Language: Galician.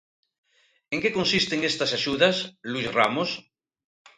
En que consisten estas axudas, Luís Ramos?